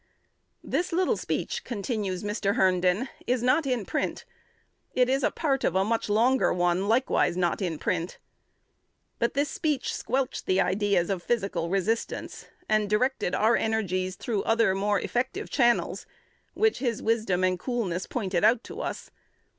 "This little speech," continues Mr. Herndon, "is not in print. It is a part of a much longer one, likewise not in print. This speech squelched the ideas of physical resistance, and directed our energies through other more effective channels, which his wisdom and coolness pointed out to us.